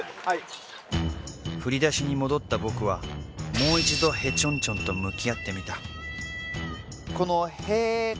はい振り出しに戻った僕はもう一度「へ」チョンチョンと向き合ってみたこの「へ」